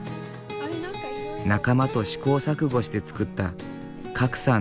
仲間と試行錯誤して作った賀来さん